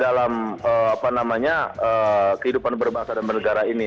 jadi mereka minta diakui dalam kehidupan berbahasa dan bernegara ini